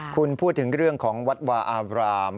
คุณพูดถึงเรื่องของวัดวาอาบราม